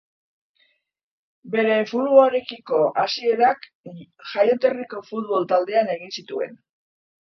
Bere futbolarekiko hasierak jaioterriko futbol-taldean egin zituen.